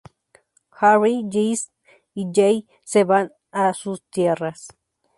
Harry, Jesse y Jay se van a sus tierras.